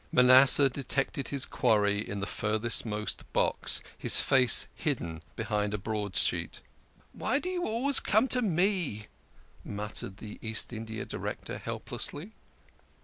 Manasseh detected his quarry in the furthermost box, his face hidden behind a broadsheet. " Why do you always come to me ?" muttered the East India Director helplessly.